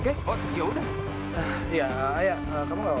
kamu antriin ayah ke kampus aja